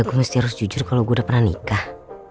apa iya gua harus jujur kalau gua sudah pernah nikah